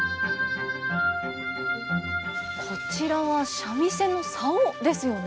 こちらは三味線の棹ですよね。